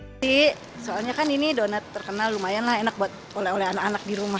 jadi soalnya kan ini donat terkenal lumayanlah enak buat oleh anak anak di rumah